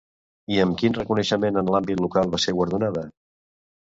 I amb quin reconeixement en l'àmbit local va ser guardonada?